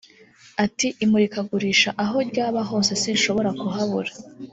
Ati “Imurikagurisha aho ryaba hose sinshobora kuhabura